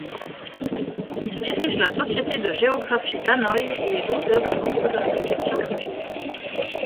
Il dirige la Société de géographie d'Hanoï et est l’auteur de nombreux articles scientifiques.